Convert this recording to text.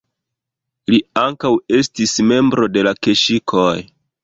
Li ankaŭ estis membro de la keŝikoj.